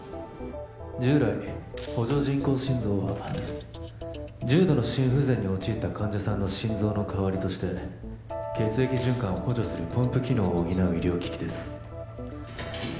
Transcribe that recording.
従来補助人工心臓は重度の心不全に陥った患者さんの心臓の代わりとして血液循環を補助するポンプ機能を補う医療機器ですえ